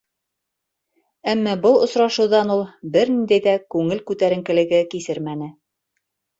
Әммә был осрашыуҙан ул бер ниндәй ҙә күңел күтәренкелеге кисермәне.